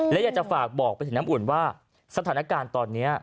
และอยากจะฝากบอกไปถึงน้ำอุ่นว่าสถานการณ์ตอนนี้